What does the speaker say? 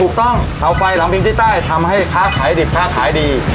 ถูกต้องเตาไฟหลังพิ่งที่ใดทำให้ภาคขายดิบภาคขายดี